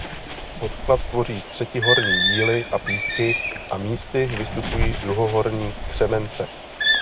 Podklad tvoří třetihorní jíly a písky a místy vystupují druhohorní křemence.